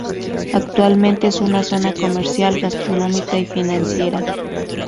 Actualmente es una zona comercial, gastronómica y financiera.